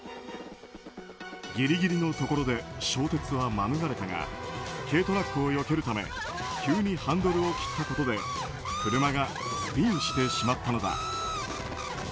ギリギリのところで衝突は免れたが軽トラックをよけるため急にハンドルを切ったことで車がスピンしてしまったのだ。